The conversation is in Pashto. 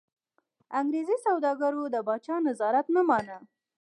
انګرېزي سوداګرو د پاچا نظارت نه مانه.